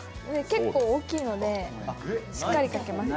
結構大きいのでしっかりかけます。